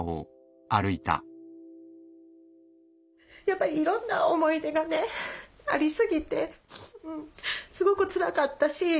やっぱりいろんな思い出がねありすぎてすごくつらかったし。